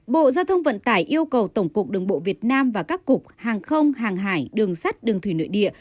bộ giao thông vận tải yêu cầu tổng cục đường bộ việt nam và các cục hàng không hàng hải đường sắt đường thủy nội địa